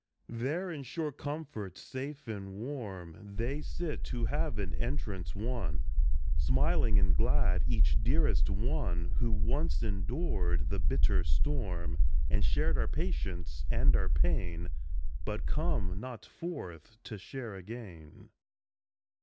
There in sure comfort, safe and warm ; They sit who have an entrance won, Smiling and glad ; each dearest one Who once endured the bitter storm, And shared our patience and our pain, But come not forth to share again.